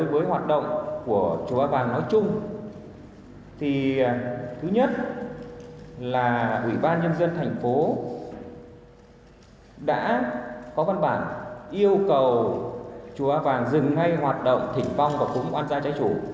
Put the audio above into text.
với hoạt động của chùa ba vàng nói chung thì thứ nhất là ủy ban nhân dân tp ung bí đã có văn bản yêu cầu chùa ba vàng dừng ngay hoạt động thỉnh vong và cúng oan gia trái chủ